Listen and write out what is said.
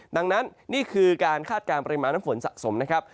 ดังนั้นนี่คือการคาดการณ์ปริมาณน้ำฝนสะสมนะครับ